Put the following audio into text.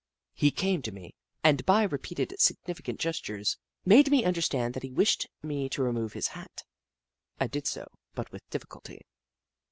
He came to me, and by repeated significant gestures made me understand that he wished me to remove his hat. I did so, but with difficulty.